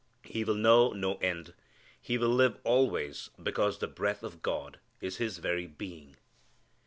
He will know no end. He will live always because the breath of God is his very being.